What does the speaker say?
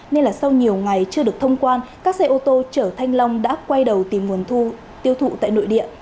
nên là sau nhiều ngày chưa được thông quan các xe ô tô chở thanh long đã quay đầu tìm nguồn thu tiêu thụ tại nội địa